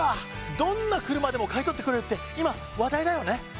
どんな車でも買い取ってくれるって今話題だよね。